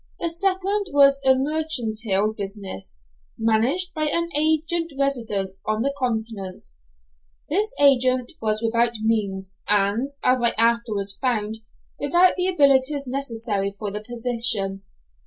The second was a mercantile business, managed by an agent resident on the Continent. This agent was without means, and, as I afterwards found, without the abilities necessary for the position.